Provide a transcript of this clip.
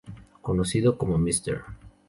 Conocido como "Mr.